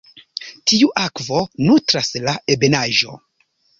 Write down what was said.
Tiu akvo nutras la ebenaĵo.